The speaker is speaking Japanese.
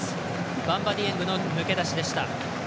バンバ・ディエングの抜け出しでした。